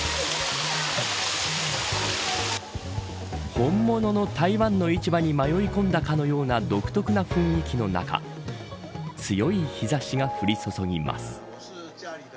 本物の台湾の市場に迷い込んだかのような独特な雰囲気の中強い日差しが降り注ぎます。